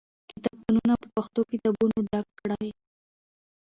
کتابتونونه په پښتو کتابونو ډک کړئ.